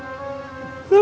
idan selalu berharga